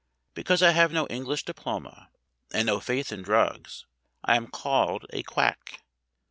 Because I have no English diploma, and no faith in drugs, I am called a quack.